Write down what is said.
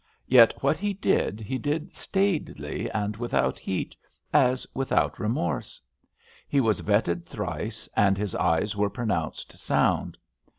Yet what he did he did staidly and without heat, as without remorse. He was vetted thrice, and his eyes were pronounced sound.